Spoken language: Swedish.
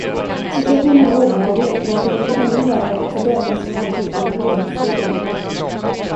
Situationen var obehaglig, men kunde bli ändå värre för den, som arbetade under middagstiden.